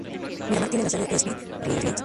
Miramar tiene la sede de Spirit Airlines.